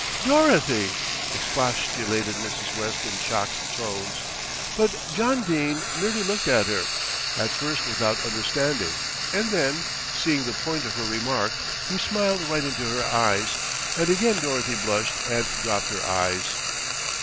"Dorothy!" expostulated Mrs. West in shocked tones; but John Dene merely looked at her, at first without understanding and then, seeing the point of her remark, he smiled right into her eyes, and again Dorothy blushed and dropped her eyes.